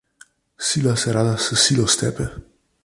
Sila se rada s silo stepe.